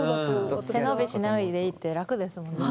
背伸びしないでいいって楽ですもんね